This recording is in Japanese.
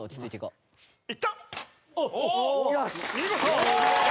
見事！